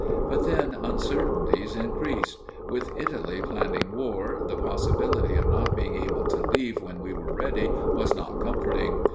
But then uncertainties increased. With Italy planning war, the possibility of not being able to leave when we were ready was not comforting.